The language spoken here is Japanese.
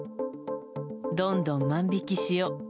どんどん万引きしよ。